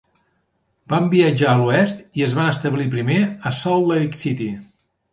Van viatjar a l'oest i es van establir primer a Salt Lake City.